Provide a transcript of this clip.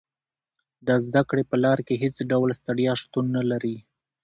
د زده کړې په لار کې هېڅ ډول ستړیا شتون نه لري.